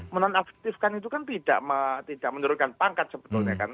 menonaktifkan itu kan tidak menurunkan pangkat sebetulnya kan